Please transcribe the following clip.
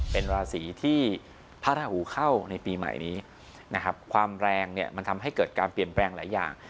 เป็นราศีที่พระราหูเข้าในปีใหม่นี้นะครับความแรงเนี่ยมันทำให้เกิดการเปลี่ยนแปลงหลายอย่าง